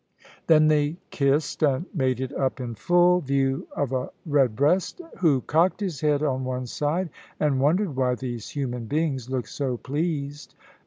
Then they kissed and made it up in full view of a red breast, who cocked his head on one side and wondered why these human beings looked so pleased.